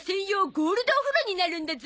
ゴールドお風呂になるんだゾ。